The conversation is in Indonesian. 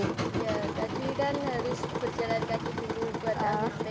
ya tadi kan harus berjalan kaki kaki buatan berbeda